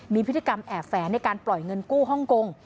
มีพฤติกรรมแอบแฝงในการปล่อยเงินกู้ฮ่องกง